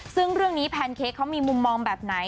ซึ่งเรื่องนี้แพนเค้กเขามีมุมมองแบบไหน